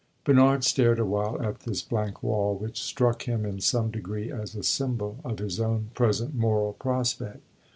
Bernard stared a while at this blank wall, which struck him in some degree as a symbol of his own present moral prospect.